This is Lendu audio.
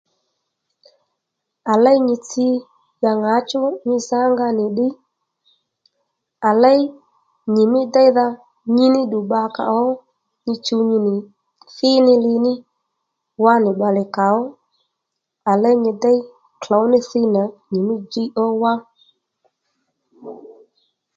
À léy nyi tsi ya ŋǎchú nyi zǎ nga nì ddiy à léy nyìmí déydha nyi níddù bbakàó nyi chuw nyi thí ní li ní wánì bbalè kàó à léy nyi déy klǒw ní thíy nà nyìmí djiy ó wá